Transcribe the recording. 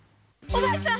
お前さん！